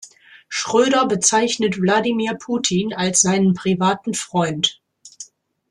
Schröder bezeichnet Wladimir Putin als seinen privaten Freund.